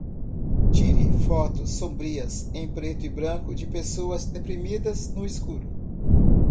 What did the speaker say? Tire fotos sombrias em preto e branco de pessoas deprimidas no escuro.